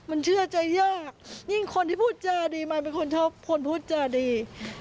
มันเชื่อใจยากยิ่งคนที่พูดจาดีมันเป็นคนชอบคนพูดจาดี